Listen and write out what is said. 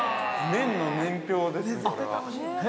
◆麺の年表ですね、これは。